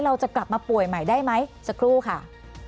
เราจะกลับมาป่วยใหม่ได้ไหมสักครู่ค่ะ